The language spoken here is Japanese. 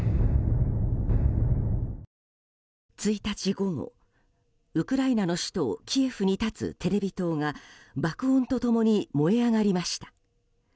１日午後、ウクライナの首都キエフに立つテレビ塔が爆音と共に燃え上がりました。